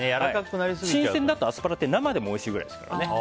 新鮮だとアスパラって生でもおいしいくらいですから。